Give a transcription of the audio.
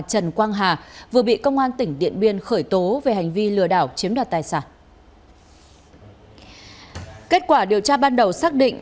giả danh công an để lừa chạy án